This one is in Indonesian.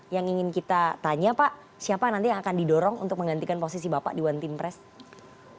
yang ingin kita tanya pak siapa nanti yang akan didorong untuk menggantikan posisi bapak di one team press